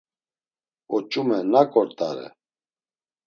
Oç̌ume nak ort̆are?